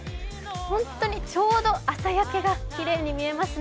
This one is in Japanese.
本当にちょうど朝焼けがきれいに見えますね。